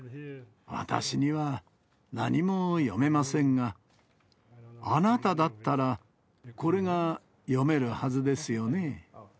私には何も読めませんが、あなただったら、これが読めるはずです